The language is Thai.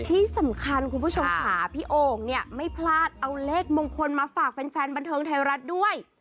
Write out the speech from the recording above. ที่สำคัญคุณผู้ชมค่ะพี่โอ่งเนี่ยไม่พลาดเอาเลขมงคลมาฝากแฟนบันเทิงไทยรัฐด้วย